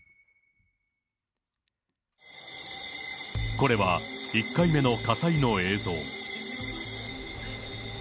これは１回目の火災の映像。